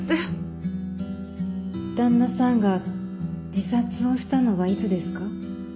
旦那さんが自殺をしたのはいつですか？